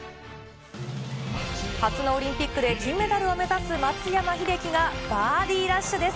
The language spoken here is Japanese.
初のオリンピックで金メダルを目指す松山英樹が、バーディーラッシュです。